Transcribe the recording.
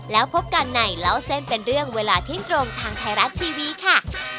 แล้วพบกันในเล่าเส้นเป็นเรื่องเวลาเที่ยงตรงทางไทยรัฐทีวีค่ะ